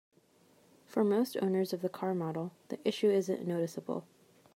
For most owners of the car model, the issue isn't noticeable.